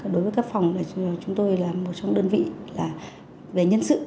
đối với các phòng chúng tôi là một trong đơn vị về nhân sự